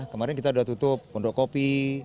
kemarin kita sudah tutup pondok kopi